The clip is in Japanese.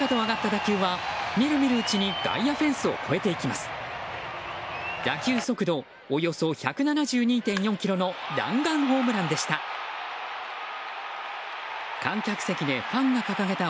打球速度およそ１７２．４キロの弾丸ホームランでした。